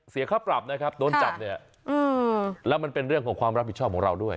ค่าปรับนะครับโดนจับเนี่ยแล้วมันเป็นเรื่องของความรับผิดชอบของเราด้วย